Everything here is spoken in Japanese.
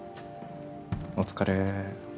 お疲れ。